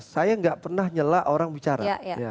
saya nggak pernah nyela orang bicara